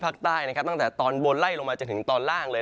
ภาคใต้นะครับตั้งแต่ตอนบนไล่ลงมาจนถึงตอนล่างเลย